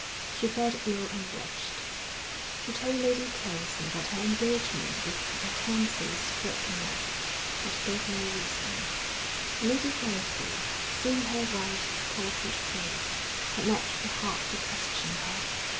She felt ill and wretched. She told Lady Kelsey that her engagement with MacKenzie was broken off, but gave no reason; and Lady Kelsey, seeing her white, tortured face, had not the heart to question her.